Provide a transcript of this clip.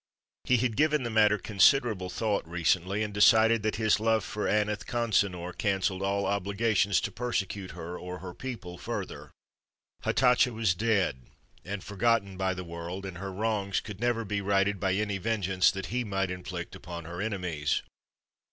He had given the matter considerable thought recently, and decided that his love for Aneth Consinor canceled all obligations to persecute her or her people further. Hatatcha was dead and forgotten by the world, and her wrongs could never be righted by any vengeance that he might inflict upon her enemies.